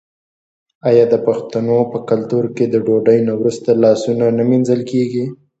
آیا د پښتنو په کلتور کې د ډوډۍ نه وروسته لاسونه نه مینځل کیږي؟